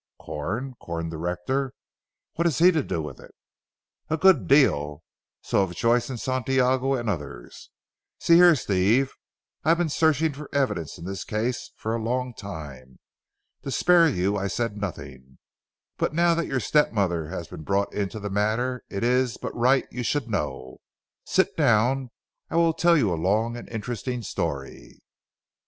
"Corn Corn the rector? What has he to do with it?" "A good deal. So have Joyce and Santiago and others. See here Steve, I have been searching for evidence in this case for a long time. To spare you I said nothing, but now that your step mother has been brought into the matter it is but right you should know. Sit down. I will tell you a long and interesting story."